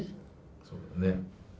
そうだね。